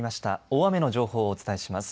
大雨の情報をお伝えします。